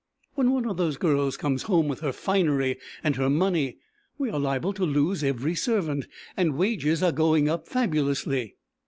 When one of those girls comes home with her finery and her money, we are liable to lose every servant; and wages are going up fabulously."